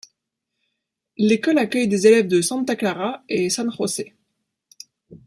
L'école accueille des élèves de Santa Clara et San Jose.